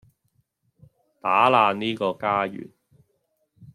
打爛呢個家園